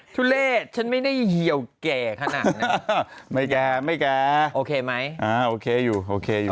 ทุเล่ฉันไม่ได้เหี่ยวแก่ขนาดนั้นไม่แก่ไม่แก่โอเคไหมอ่าโอเคอยู่โอเคอยู่